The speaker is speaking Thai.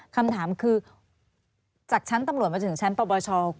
คำถามคือจากชั้นตำรวจมาถึงชั้นปปช